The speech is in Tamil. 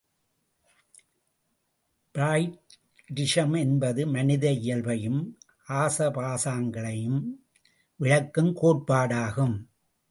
பிராய்டிசம் என்பது மனித இயல்பையும் ஆசாபாசங்களையும் விளக்கும் கோட்பாடாகும்.